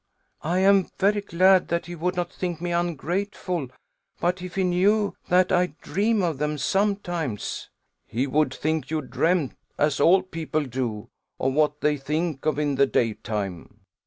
"I am very glad that he would not think me ungrateful but if he knew that I dream of them sometimes?" "He would think you dreamed, as all people do, of what they think of in the daytime."